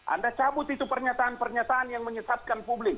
anda cabut itu pernyataan pernyataan yang menyesatkan publik